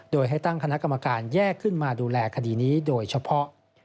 โดยให้ตั้งคณะกรรมการแยกขึ้นมาดูแลคดีนี้โดยเฉพาะ